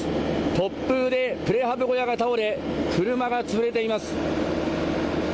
突風でプレハブ小屋が倒れ車が潰れています。